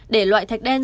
để loại thạch đen